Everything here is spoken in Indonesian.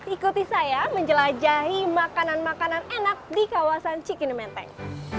ikuti saya menjelajahi makanan makanan enak di kawasan cikini menteng